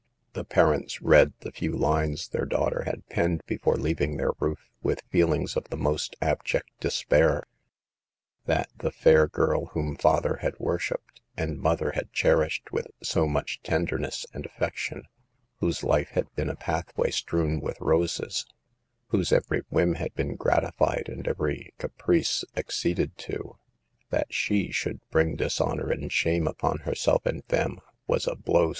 The parents read the few lines their daughter had.penned before leaving their roof, with feelings of the most abject despair. That ' the fair girl whom father had worshiped and mother had cherished with so much tenderness and affection; whose life had been a pathway strewn with roses; whose every whim had A PAGE FBOM BEAL LIFE. 17 been gratified and every caprice acceded to; that she should bring dishonor and shame upon herself and them, was a blow.